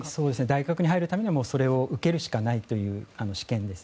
大学に入るためにはそれを受けるしかないという試験です。